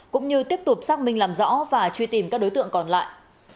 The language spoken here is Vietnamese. cũng như tiếp tục xác minh làm rõ và truy tìm các đối tượng còn lại